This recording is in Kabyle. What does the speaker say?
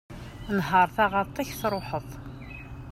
Nher taɣaṭ-ik, truḥeḍ.